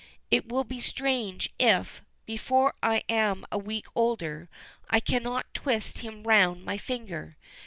It will be strange if, before I am a week older, I cannot twist him round my finger.